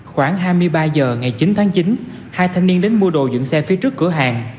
khoảng hai mươi ba h ngày chín tháng chín hai thanh niên đến mua đồ dựng xe phía trước cửa hàng